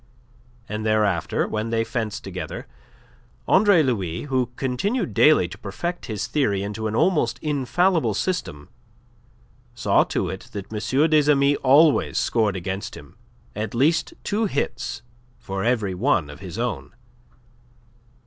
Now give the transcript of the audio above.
And thereafter, when they fenced together, Andre Louis, who continued daily to perfect his theory into an almost infallible system, saw to it that M. des Amis always scored against him at least two hits for every one of his own.